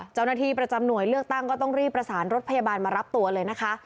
เจ้าหน้าที่ประจำหน่วยเลือกตั้งก็ต้องรีบประสานรถพยาบาลมารับตัวเลยนะคะ